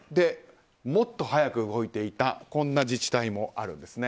もっと早く動いていたこんな自治体もあるんですね。